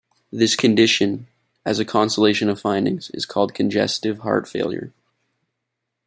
This condition, as a constellation of findings, is called congestive heart failure.